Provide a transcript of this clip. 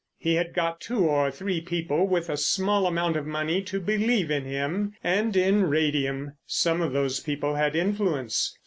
He had got two or three people with a small amount of money to believe in him—and in radium. Some of those people had influence.